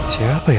siapa ya orang itu